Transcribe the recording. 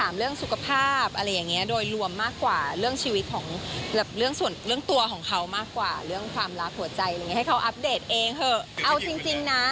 ไม่ได้ถามเลยไม่ได้ถามเลยเอาจริง